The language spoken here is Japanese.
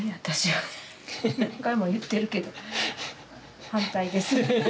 私は何回も言ってるけど反対です。